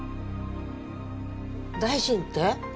大臣って？